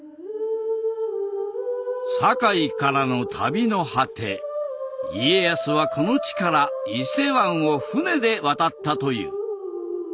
堺からの旅の果て家康はこの地から伊勢湾を船で渡ったという。